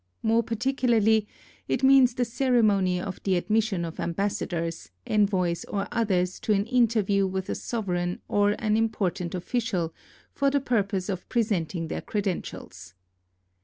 More particularly it means the ceremony of the admission of ambassadors, envoys or others to an interview with a sovereign or an important official for the purpose of presenting their credentials.